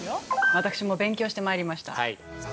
私も勉強してまいりました。